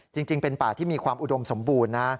จริงเป็นป่าที่มีความอุดมสมบูรณ์นะ